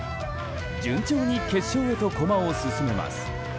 順調に決勝へと駒を進めます。